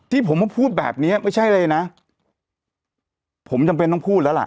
ที่ผมมาพูดแบบเนี้ยไม่ใช่อะไรนะผมจำเป็นต้องพูดแล้วล่ะ